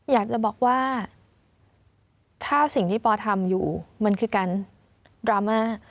อยากจะบอกว่าถ้าสิ่งที่ปอทำอยู่มันคือการดราม่า